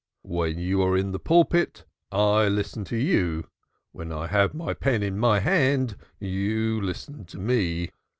When you are in the pulpit I listen to you; when I have my pen in hand, do you listen to me.